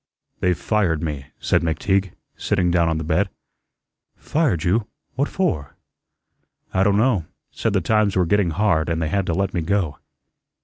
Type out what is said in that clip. "They've fired me," said McTeague, sitting down on the bed. "Fired you! What for?" "I don' know. Said the times were getting hard an' they had to let me go."